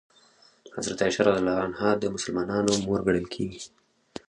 حضرت عایشه رض د مسلمانانو مور ګڼل کېږي.